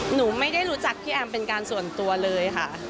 หนูไม่ได้รู้จักพี่แอมเป็นการส่วนตัวเลยค่ะ